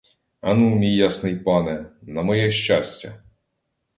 Ану, мій ясний пане, на моє щастя!